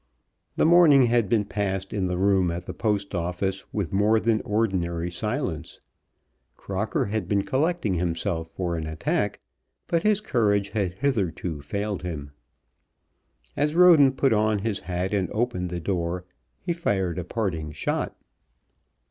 The morning had been passed in the room at the Post Office with more than ordinary silence. Crocker had been collecting himself for an attack, but his courage had hitherto failed him. As Roden put on his hat and opened the door he fired a parting shot.